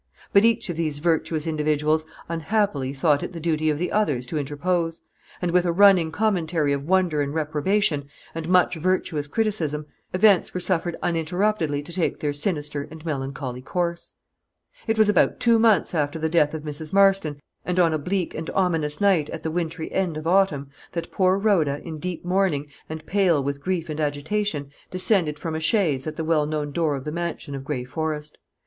But each of these virtuous individuals unhappily thought it the duty of the others to interpose; and with a running commentary of wonder and reprobation, and much virtuous criticism, events were suffered uninterruptedly to take their sinister and melancholy course. It was about two months after the death of Mrs. Marston, and on a bleak and ominous night at the wintry end of autumn, that poor Rhoda, in deep mourning, and pale with grief and agitation, descended from a chaise at the well known door of the mansion of Gray Forest.